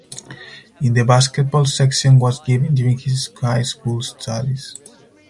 In the basketball section was given during his high school studies.